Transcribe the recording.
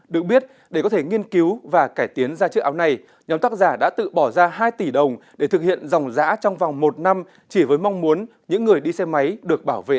được biết để có thể nghiên cứu và cải tiến ra chiếc áo này nhóm tác giả đã tự bỏ ra hai tỷ đồng để thực hiện dòng giã trong vòng một năm chỉ với mong muốn những người đi xe máy được bảo vệ